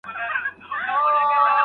د مشاور ارزښت نه کمول کېږي.